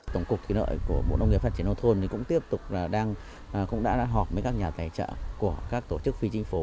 tổng cục kỳ nợ của bộ nông nghiệp phát triển nông thôn cũng tiếp tục đang cũng đã ra họp với các nhà tài trợ của các tổ chức phi chính phủ